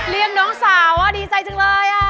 น้องสาวดีใจจังเลย